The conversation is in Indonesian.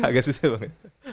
agak susah bang ya